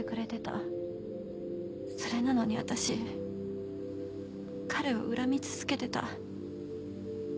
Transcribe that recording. それなのに私彼を恨み続けてた。